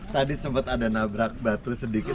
tadi sempat ada nabrak batu sedikit